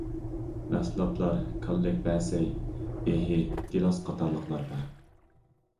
مەھسۇلاتلار كاللەكبەسەي، بېھى، گىلاس قاتارلىقلار بار.